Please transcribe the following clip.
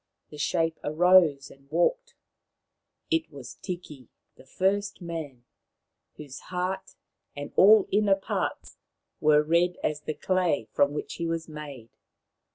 The shape arose and walked. It was Tiki, the first man, whose heart and all 81 32 Maoriland Fairy Tales inner parts were red as the clay from which he was made.